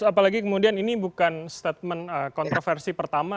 apalagi kemudian ini bukan statement kontroversi pertama